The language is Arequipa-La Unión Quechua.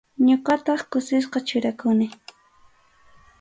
Ñuqataq kusisqa churakuni.